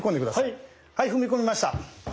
はい踏み込みました！